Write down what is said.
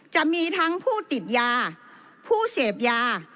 จะมีทั้งผู้ติดยาผู้เสพยา